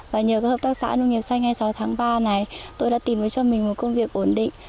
và nhờ các hợp tác xã nông nghiệp xanh hai mươi sáu tháng ba này tôi đã tìm với cho mình một công việc ổn định